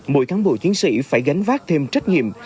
mỗi tháng buổi chiến sĩ phải gánh vác thêm trách nhiệm